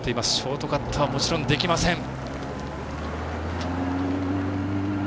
ショートカットはもちろんできません。